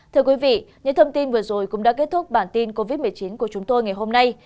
thưa quý vị những thông tin vừa rồi cũng đã kết thúc bản tin covid một mươi chín của chúng tôi ngày hôm nay